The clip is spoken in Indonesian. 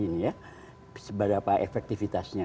ini ya seberapa efektifitasnya